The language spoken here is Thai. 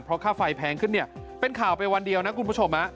เพราะค่าไฟแพงขึ้นเนี่ยเป็นข่าวไปวันเดียวนะคุณผู้ชม